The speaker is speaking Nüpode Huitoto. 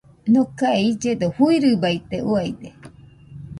Nokae illedo fɨirɨbaite, uiade